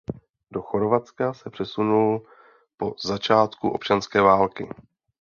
Do Chorvatska se přesunul po začátku občanské války.